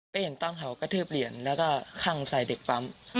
ไปเห็นตอนเขากระทืบเหรียญแล้วก็คั่งใส่เด็กปั๊ม